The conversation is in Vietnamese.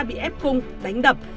bị ép cung đánh đập